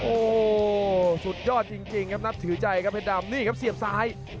โอ้โหสุดยอดจริงครับนับถือใจครับเพชรดำนี่ครับเสียบซ้าย